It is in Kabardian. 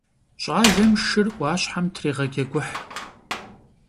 ЩӀалэм шыр Ӏуащхьэм трегъэджэгухь.